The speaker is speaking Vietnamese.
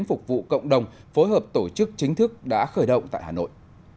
phục vụ cộng đồng phối hợp tổ chức chính thức đã khởi động tại hà nội